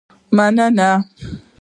مننه